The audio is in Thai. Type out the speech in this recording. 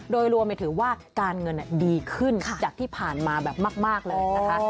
โดยรวมไปถึงว่าการเงินดีขึ้นจากที่ผ่านมาแบบมากเลยนะคะ